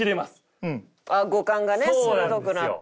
五感がね鋭くなって。